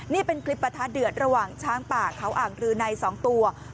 นี่เป็นคลิปประทะเดือดระหว่างช้างป่าเขาอ่างรือใน๒ตัว